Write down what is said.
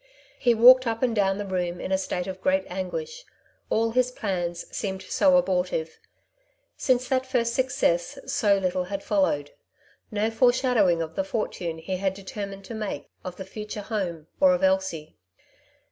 He walked up and down the room in a state of great anguish, all his plans seemed so abortive ; since that first success so little had followed — ^no fore shadowing of the fortune he had determined to make, of the future home, or of Elsie.